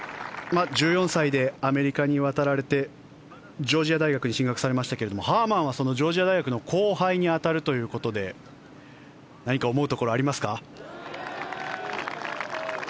１４歳でアメリカに渡られてジョージア大学に進学されましたがハーマンはそのジョージア大学の後輩に当たるということで何か思うところはありますか？